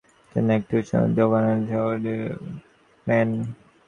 তিনি একটি ওষুধের দোকানের সহকারীর চাকরি নেন।